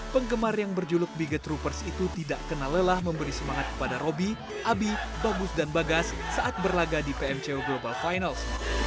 penggemar yang berjuluk biggetroopers itu tidak kenal lelah memberi semangat kepada roby abi bagus dan bagas saat berlaga di pmco global finals